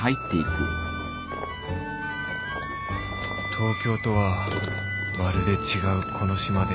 東京とはまるで違うこの島で